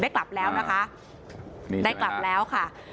ได้กลับแล้วนะคะได้กลับแล้วค่ะ